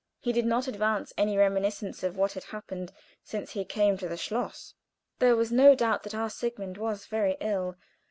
He did not advance any reminiscence of what had happened since he came to the schloss. There was no doubt that our Sigmund was very ill.